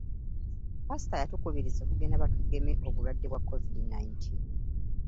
Pasita yatukubiriza okugenda batugeme obulwadde bwa covid nineteen.